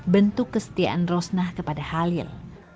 bentuk kesetiaan rosnah kepada halil